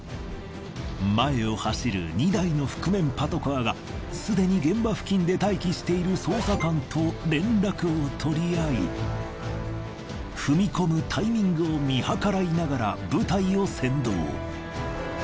前を走る２台の覆面パトカーがすでに現場付近で待機している捜査官と連絡を取り合い踏み込むタイミングを見計らいながら部隊を先導。